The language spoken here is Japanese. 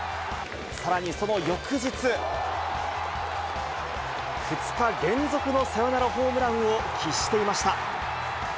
さらにその翌日、２日連続のサヨナラホームランを喫していました。